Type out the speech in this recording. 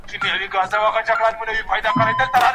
سرې منګولي به زینت وي، څېرول به عدالت وي وېره